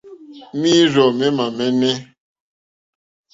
Mǐrzɔ̀ mémá mɛ́nɛ̌.